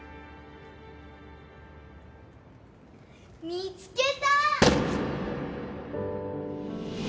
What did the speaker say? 見つけた！